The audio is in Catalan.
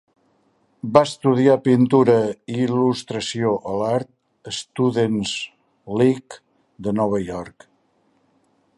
Va estudiar pintura i il·lustració a la Art Students League de Nova York.